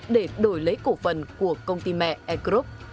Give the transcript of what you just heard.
để đổi lấy cổ phần của công ty mẹ air group